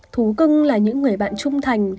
thú cưng là những người bạn trung thành